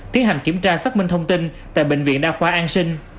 tiến hành kiểm tra xác minh thông tin tại bệnh viện đa khoa an sinh